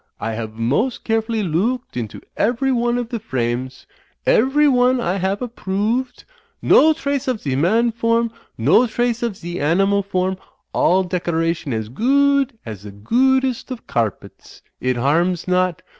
I have most carefully loo ooked into every one of the frames. Every one I have approo ooved. No trace of 2e Man form. No trace of ze Animal form. All decoration as goo ood as the goo oodest of carpets; it harms not.